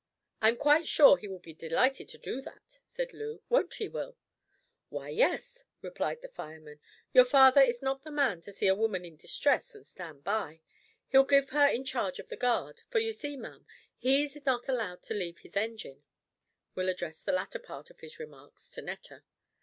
"I'm quite sure he will be delighted to do that," said Loo; "won't he, Will?" "Why, yes," replied the fireman, "your father is not the man to see a woman in distress and stand by. He'll give her in charge of the guard, for you see, ma'am, he's not allowed to leave his engine." Will addressed the latter part of his remarks to Netta.